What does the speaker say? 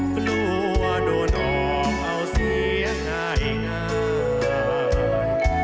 กลัวโดนออกเอาเสียหายง่าย